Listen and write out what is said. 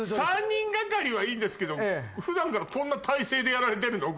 ３人がかりはいいんですけど普段からこんな体勢でやられてるの？